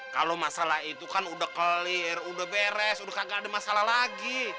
kalau masalah itu kan udah clear udah beres udah gak ada masalah lagi